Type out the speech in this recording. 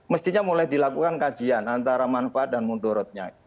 mestinya mulai dilakukan kajian antara manfaat dan munduratnya